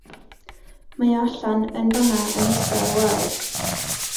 Mae o allan yn fan 'na yn ista ar y wal.